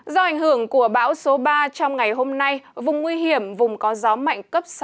do ảnh hưởng của bão số ba trong ngày hôm nay vùng nguy hiểm vùng có gió mạnh cấp sáu